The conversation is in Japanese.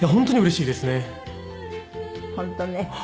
本当ね。